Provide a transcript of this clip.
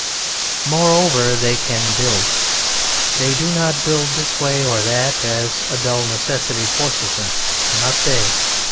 "Moreover, they can build. They do not build this way or that, as a dull necessity forces them, not they!